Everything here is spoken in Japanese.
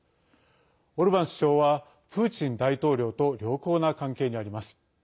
オルバン首相はプーチン大統領と良好な関係にあります。